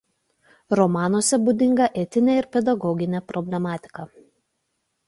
Romanuose būdinga etinė ir pedagoginė problematika.